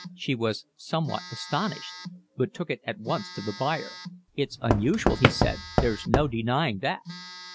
She was somewhat astonished, but took it at once to the buyer. "It's unusual," he said, "there's no denying that."